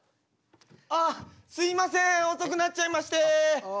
ああすいません遅くなっちゃいまして。